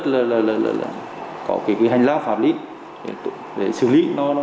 từ việc đòi nợ và việc bị đòi nợ